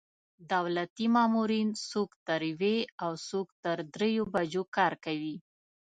دولتي مامورین څوک تر یوې او څوک تر درېیو بجو کار کوي.